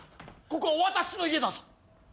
ここは私の家だぞ。